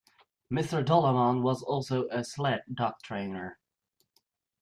Mr. Dolleman was also a sled dog trainer.